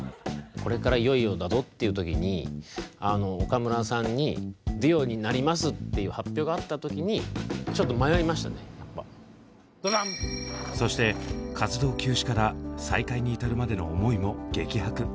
これからいよいよだぞっていう時に岡村さんに「デュオになります」っていう発表があった時にそして活動休止から再開に至るまでの思いも激白。